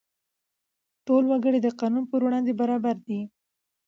ټول وګړي د قانون پر وړاندې برابر دي.